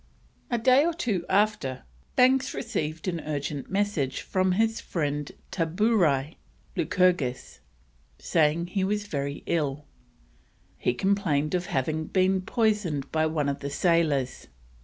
A day or two after, Banks received an urgent message from his friend Taburai (Lycurgus), saying he was very ill. He complained of having been poisoned by one of the sailors.